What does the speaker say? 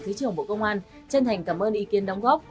thứ trưởng bộ công an chân thành cảm ơn ý kiến